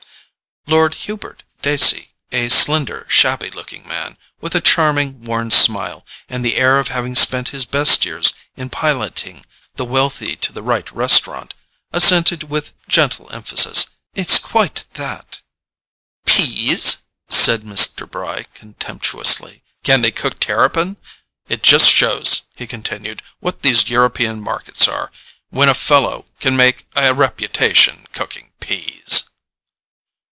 Lord Hubert Dacey, a slender shabby looking man, with a charming worn smile, and the air of having spent his best years in piloting the wealthy to the right restaurant, assented with gentle emphasis: "It's quite that." "PEAS?" said Mr. Bry contemptuously. "Can they cook terrapin? It just shows," he continued, "what these European markets are, when a fellow can make a reputation cooking peas!"